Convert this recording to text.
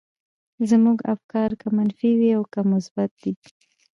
زموږ افکار که منفي دي او که مثبت دي.